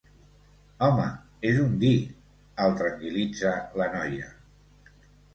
Home, és un dir —el tranquil·litza la noia—.